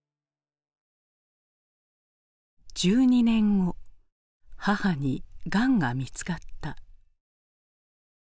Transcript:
１２年後母にがんが見つかった。